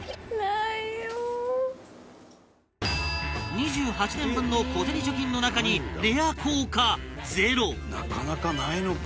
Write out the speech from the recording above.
２８年分の小銭貯金の中にレア硬貨ゼロ伊達：なかなか、ないのか。